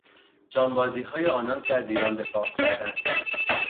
جانبازیهای آنان که از ایران دفاع کردند